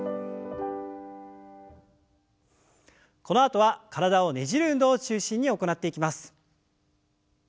このあとは体をねじる運動を中心に行っていきます。